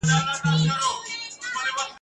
خدایه عمر مي تر جار کړې زه د ده په نوم ښاغلی !.